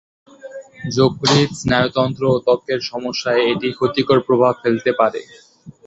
যকৃত, স্নায়ুতন্ত্র ও ত্বকের সমস্যায় এটি ক্ষতিকর প্রভাব ফেলতে পারে।